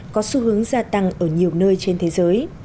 có xu hướng gia tăng ở nhiều nơi trên thế giới